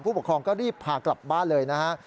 ผู้ปกครองก็รีบพากลับบ้านเลยนะฮะ